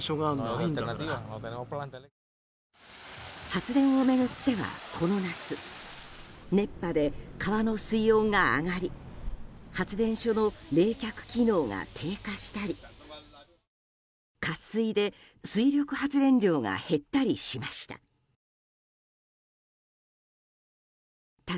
発電を巡っては、この夏熱波で川の水温が上がり発電所の冷却機能が低下したり渇水で水力発電量が減ったりしました。